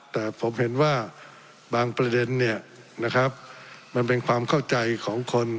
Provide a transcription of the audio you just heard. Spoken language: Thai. แต่ผมเห็นว่าบางประเด็นเนี่ยนะครับมันเป็นความเข้าใจของคน